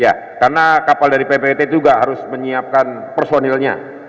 ya karena kapal dari ppat juga harus menyiapkan personilnya